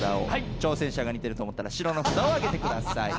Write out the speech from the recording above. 挑戦者が似てると思ったら白の札を挙げてください。